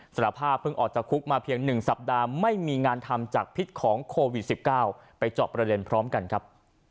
สารภาพเพิ่งออกจากคุกมาเพียง๑สัปดาห์ไม่มีงานทำจากพิษของโควิด๑๙ไปเจาะประเด็นพร้อมกันครับ